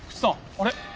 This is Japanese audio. あれ！